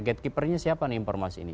gatekeeper nya siapa nih informasi ini